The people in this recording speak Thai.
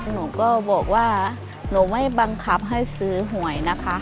หนูก็บอกว่าหนูไม่บังคับให้ซื้อหวยนะคะ